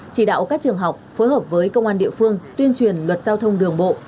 chỉ đạo các trường học phối hợp với công an địa phương tuyên truyền luật giao thông đường bộ